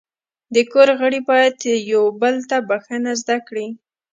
د کور غړي باید یو بل ته بخښنه زده کړي.